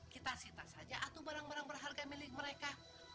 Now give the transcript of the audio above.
kita sita saja atau barang barang berharga milik mereka